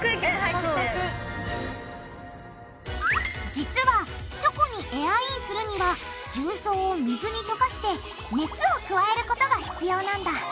実はチョコにエアインするには重曹を水に溶かして熱を加えることが必要なんだ！